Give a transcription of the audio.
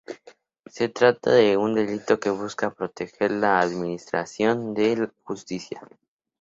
Se trata de un delito que busca proteger la administración de justicia.